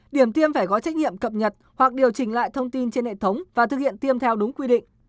điểm tiêm phải có trách nhiệm cập nhật hoặc điều chỉnh lại thông tin trên hệ thống và thực hiện tiêm theo đúng quy định